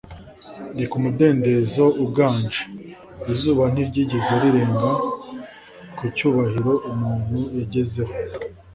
reka umudendezo uganje. izuba ntiryigeze rirenga ku cyubahiro umuntu yagezeho